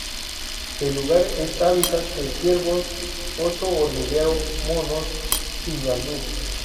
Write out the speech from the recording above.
El lugar es hábitat de ciervos, oso hormiguero monos y ñandú.